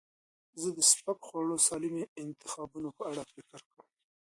زه د سپک خواړو د سالمو انتخابونو په اړه فکر کوم.